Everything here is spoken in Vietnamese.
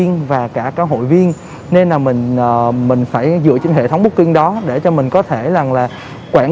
số lượng hội viên nên là mình mình phải dựa trên hệ thống booking đó để cho mình có thể làm là quản